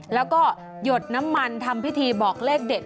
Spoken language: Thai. แล้วก็หยดน้ำมันทำพิธีบอกเลขเด็ด